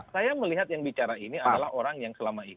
saya melihat yang bicara ini adalah orang yang selama ini